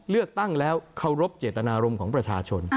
เลือกตั้งแล้วเคารพเจตนารมณ์ของประชาชน